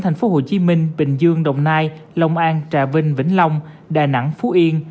tp hcm bình dương đồng nai lòng an trà vinh vĩnh long đà nẵng phú yên